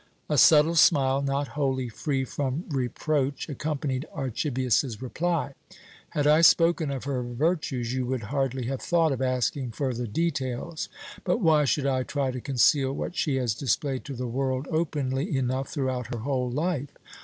A subtle smile, not wholly free from reproach, accompanied Archibius's reply: "Had I spoken of her virtues, you would hardly have thought of asking further details. But why should I try to conceal what she has displayed to the world openly enough throughout her whole life?